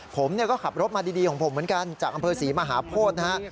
ผมก็ขับรถมาดีของผมเหมือนกันจากอำเภอศรีมหาโพธินะฮะ